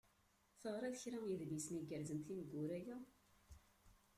Teɣriḍ kra n yidlisen igerrzen tineggura-ya?